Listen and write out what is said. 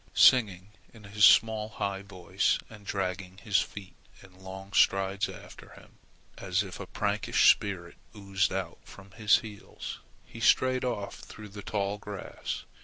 Singing in his small high voice and dragging his feet in long strides after him, as if a prankish spirit oozed out from his heels, he strayed off through the tall grass.